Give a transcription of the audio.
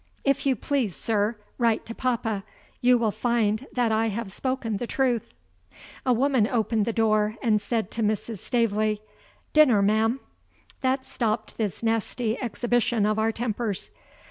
"If you please, sir, write to papa. You will find that I have spoken the truth." A woman opened the door, and said to Mrs. Staveley: "Dinner, ma'am." That stopped this nasty exhibition of our tempers.